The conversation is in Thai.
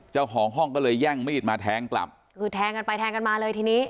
เจ้าของห้องก็เลยแย่งมีดมาแทงกลับคือแทงกันไปแทงกันมาเลยทีนี้